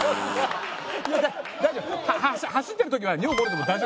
走ってる時は尿漏れても大丈夫。